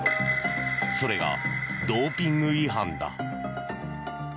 それが、ドーピング違反だ。